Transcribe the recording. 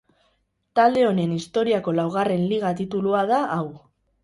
Talde honen historiako laugarren liga titulua da hau.